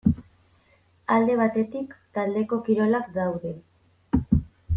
Alde batetik taldeko kirolak daude.